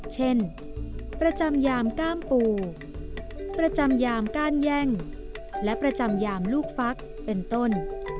เช่นประจำยามก้ามปูประจำยามก้านแย่งและประจำยามลูกฟักเป็นต้น